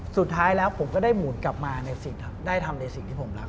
สุดท้ายแล้วผมก็ได้หมุนกลับมาในสิ่งที่ผมรัก